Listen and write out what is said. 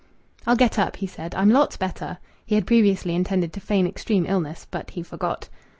"I'll get up," he said. "I'm lots better." He had previously intended to feign extreme illness, but he forgot.